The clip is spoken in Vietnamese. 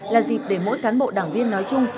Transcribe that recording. là dịp để mỗi cán bộ đảng viên nói chung